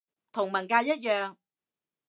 同文革一樣